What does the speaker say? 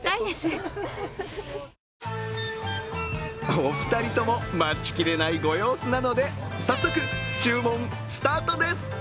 お二人とも待ちきれないご様子なので早速、注文スタートです。